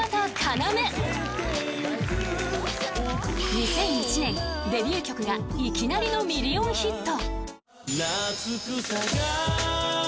［２００１年デビュー曲がいきなりのミリオンヒット］